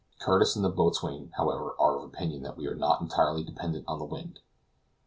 Curtis and the boatswain, however, are of opinion that we are not entirely dependent on the wind.